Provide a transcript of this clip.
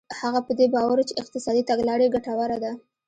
هغه په دې باور و چې اقتصادي تګلاره یې ګټوره ده.